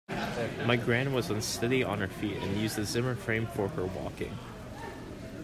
My gran was unsteady on her feet and used a Zimmer frame for walking